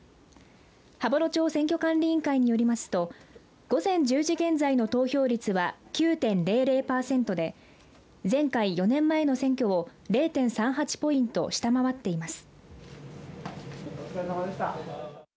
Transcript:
羽幌町選挙管理委員会によりますと午前１０時現在の投票率は９．００パーセントで前回４年前の選挙を０．３８ポイント下回っています。